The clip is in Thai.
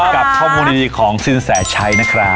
กับข้อมูลวิธีของซึ้นแสจชัย